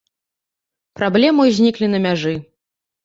Праблемы ўзніклі на мяжы.